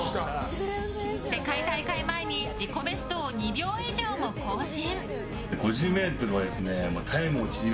世界大会前に自己ベストを２秒以上も更新。